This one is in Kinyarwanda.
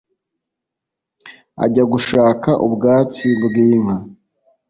ajya gushaka ubwatsi bwinka